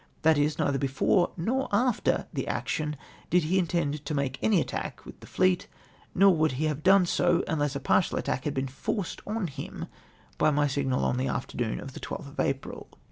That is, neither t)efore nor after the action did he intend to make any attack with tlie fleet, nor would he have done so unless a partial attack had t)een foi ced on him by my signal on the afternoon of the 12th of April.